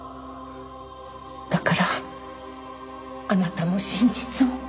だからあなたも真実を。